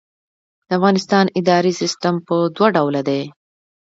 د افغانستان اداري سیسټم په دوه ډوله دی.